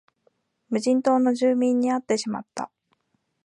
無人島の住民に会ってしまった